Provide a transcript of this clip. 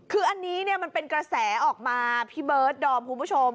คืออันนี้เนี่ยมันเป็นกระแสออกมาพี่เบิร์ดดอมคุณผู้ชม